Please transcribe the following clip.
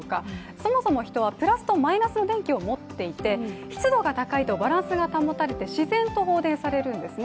そもそも人はプラスとマイナスの電気を持っていて湿度が高いとバランスが保たれて自然と放電するんですね。